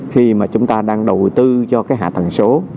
khi mà chúng ta đang đầu tư cho cái hạ tầng số